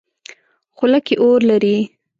خوله کې اور لري.